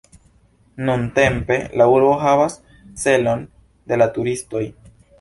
Nuntempe la urbo havas celon de la turistoj.